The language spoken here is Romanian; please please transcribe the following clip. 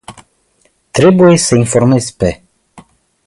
Trebuie sa informez pe.